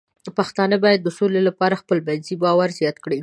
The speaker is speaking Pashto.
پښتانه بايد د سولې لپاره خپلمنځي باور زیات کړي.